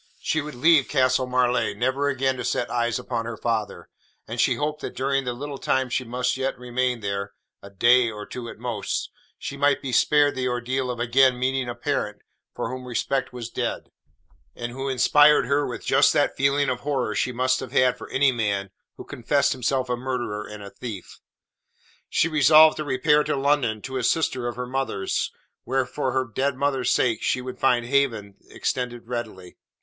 She would leave Castle Marleigh, never again to set eyes upon her father, and she hoped that during the little time she must yet remain there a day, or two at most she might be spared the ordeal of again meeting a parent for whom respect was dead, and who inspired her with just that feeling of horror she must have for any man who confessed himself a murderer and a thief. She resolved to repair to London to a sister of her mother's, where for her dead mother's sake she would find a haven extended readily.